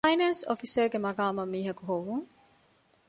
ފައިނޭންސް އޮފިސަރގެ މަޤާމަށް މީހަކު ހޮވުން